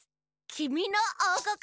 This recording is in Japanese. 「きみのおうこく」。